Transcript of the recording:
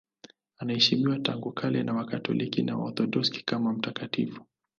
Anaheshimiwa tangu kale na Wakatoliki na Waorthodoksi kama mtakatifu.